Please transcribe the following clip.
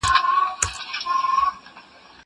زه به سبا کتابتون ته ولاړ سم!